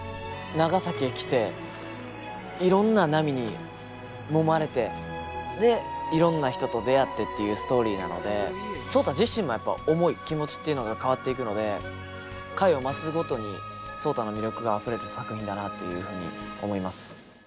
長崎へ来ていろんな波にもまれてでいろんな人と出会ってっていうストーリーなので壮多自身もやっぱ思い気持ちっていうのが変わっていくので回を増すごとに壮多の魅力があふれる作品だなというふうに思います。